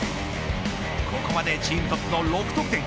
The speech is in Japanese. ここまでチームトップの６得点。